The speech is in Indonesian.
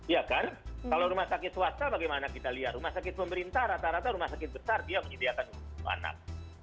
ya kan kalau rumah sakit swasta bagaimana kita lihat rumah sakit pemerintah rata rata rumah sakit besar dia menyediakan untuk anak